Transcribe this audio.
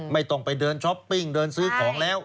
ไม่ต้องไปเดินช้อปปิ้งเดินซื้อของแล้ว